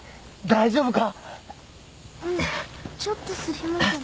大丈夫か？